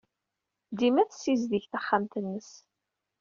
Dima tessizdig taxxamt-nnes.